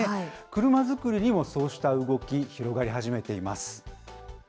車づくりにもそうした動き、広がり始めています。